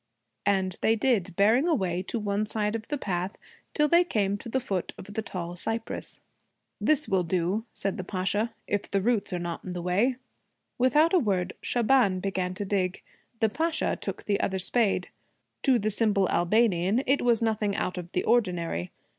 And they did, bearing away to one side of the path till they came to the foot of the tall cypress. 'This will do,' said the Pasha, 'if the roots are not in the way.' Without a word Shaban began to dig. The Pasha took the other spade. To the simple Albanian it was nothing out of the ordinary.